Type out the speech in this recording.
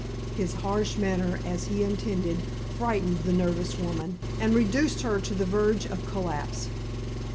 His harsh manner, as he intended, frightened the nervous woman, and reduced her to the verge of collapse.